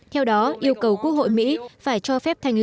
theo đó yêu cầu quốc hội mỹ phải cho phép thành lập